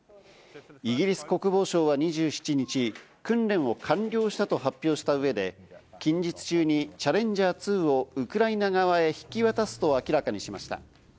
イギリス国防省は２７日、訓練を完了したと発表した上で近日中に「チャレンジャー２」をウクライナ側へ引き渡すと明らかにしました。